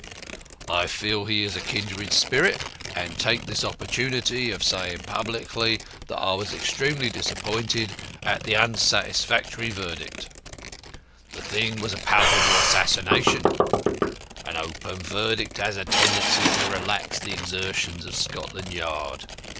I feel he is a kindred spirit, and take this opportunity of saying publicly that I was extremely disappointed at the unsatisfactory verdict. The thing was a palpable assassination; an open verdict has a tendency to relax the exertions of Scotland Yard.